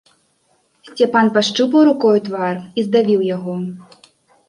Сцяпан пашчупаў рукою твар і здавіў яго.